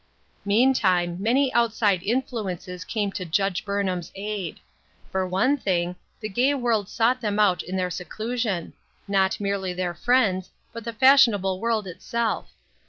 Meantime, many outside influences came to Judge Burnham's aid. For one thing, the gay world sought them out in their seclusion ; not merely their friends, but the fashionable world PLANTS THAT HAD BLOSSOMED. 19 itself.